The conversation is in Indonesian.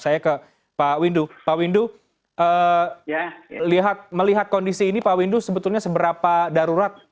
saya ke pak windu pak windu melihat kondisi ini pak windu sebetulnya seberapa darurat